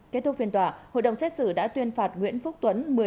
kết thúc phiên tòa hội đồng xét xử đã tuyên phạt nguyễn phúc tuấn